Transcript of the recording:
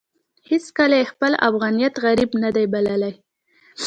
هېڅکله يې خپل افغانيت غريب نه دی بللی.